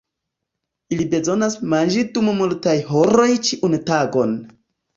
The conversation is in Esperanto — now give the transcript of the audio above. Ili bezonas manĝi dum multaj horoj ĉiun tagon.